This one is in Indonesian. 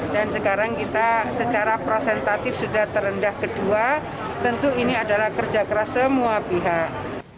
dan sekarang kita secara prosentatif sudah terendah kedua tentu ini adalah kerja keras semua pihak